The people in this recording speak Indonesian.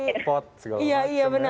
pot pot segala macam ya